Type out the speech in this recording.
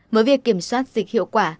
với việc kiểm soát dịch hiệu quả